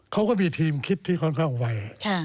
เขาก็มีทีมคิดที่ค่อนข้างไว